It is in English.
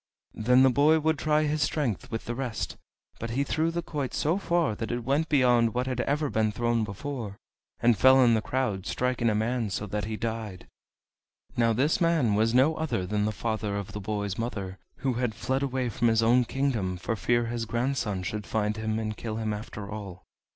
Then the boy would try his strength with the rest, but he threw the quoit so far that it went beyond what had ever been thrown before, and fell in the crowd, striking a man so that he died. Now this man was no other than the father of the boy's mother, who had fled away from his own kingdom for fear his grandson should find him and kill him after all.